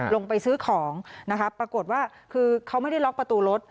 ลงไปซื้อของนะคะปรากฏว่าคือเขาไม่ได้ล็อกประตูรถ